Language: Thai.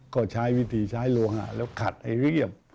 ก็ใช้วิธีใช้ลวงแล้วขัดไอ้เรียบ